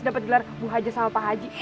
dapat gelar bu haja sama pak haji